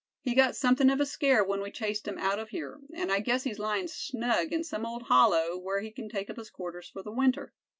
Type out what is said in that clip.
"He got something of a scare when we chased him out of here, and I guess he's lying snug in some old hollow, where he can take up his quarters for the winter.